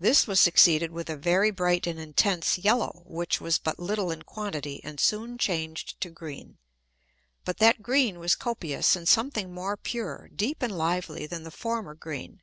This was succeeded with a very bright and intense yellow, which was but little in quantity, and soon chang'd to green: But that green was copious and something more pure, deep and lively, than the former green.